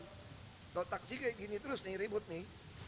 kalau taksi kayak gini terus nih ribut nih